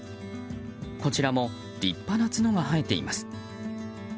こちらも立派な角が生えています。